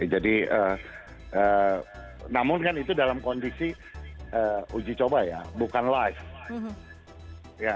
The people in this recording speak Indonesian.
jadi namun kan itu dalam kondisi uji coba ya bukan live